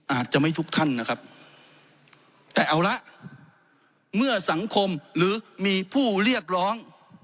อาจจะไม่ทุกท่านนะครับแต่เอาละเมื่อสังคมหรือมีผู้เรียกร้อง